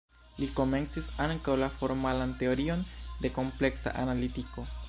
Li komencis ankaŭ la formalan teorion de kompleksa analitiko.